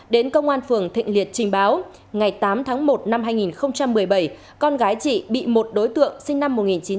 đến công an phường thịnh liệt trình báo ngày tám tháng một năm hai nghìn một mươi bảy con gái chị bị một đối tượng sinh năm một nghìn chín trăm tám mươi